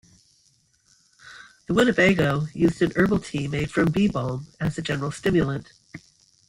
The Winnebago used an herbal tea made from beebalm as a general stimulant.